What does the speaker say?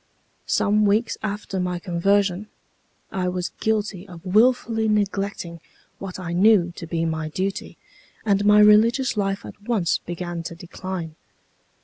"Some weeks after my conversion I was guilty of wilfully neglecting what I knew to be my duty, and my religious life at once began to decline.